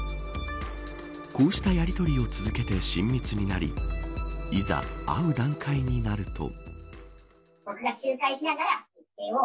こうしたやりとりを続けて親密になりいざ、会う段階になると。